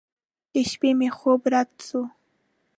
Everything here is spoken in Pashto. د شپې مې خوب رډ سو.